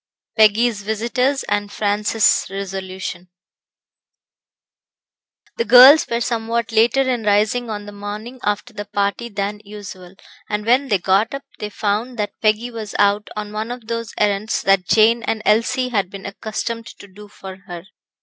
Peggy's Visitors, And Francis' Resolution The girls were somewhat later in rising on the morning after the party than usual, and when they got up, they found that Peggy was out on one of those errands that Jane and Elsie had been accustomed to do for her.